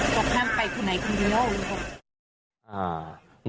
หลอกนั่งไปคนไหนคนเดียวโอเค